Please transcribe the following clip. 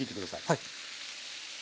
はい。